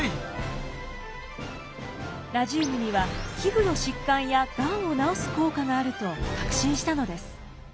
ラジウムには皮膚の疾患やがんを治す効果があると確信したのです。